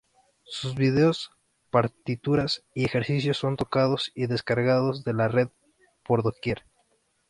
Sus videos, partituras y ejercicios son tocados y descargados de la red por doquier.